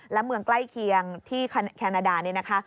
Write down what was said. และเมืองใกล้เคียงที่แคนาดานี่นะคะ